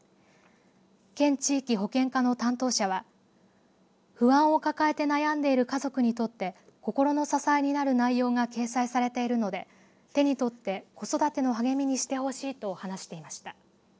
県地域保健課の担当者は不安を抱えて悩んでいる家族にとって心の支えになる内容が掲載されているので手に取って子育ての励みにしてほしいと話していました。